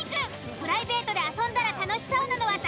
プライベートで遊んだら楽しそうなのは誰？